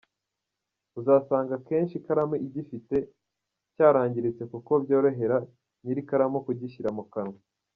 Uzasanga akenshi ikaramu igifite cyarangiritse kuko byorohera nyir’ikaramu kugishyira mu kanwa.